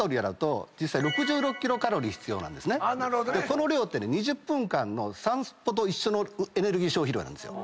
この量ってね２０分間の散歩と一緒のエネルギー消費量なんですよ。